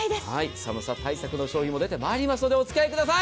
寒さ対策の商品も出てまいりますのでお付き合いください。